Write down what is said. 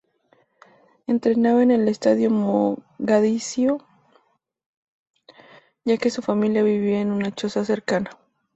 Entrenaba en el Estadio Mogadiscio, ya que su familia vivía en una choza cercana.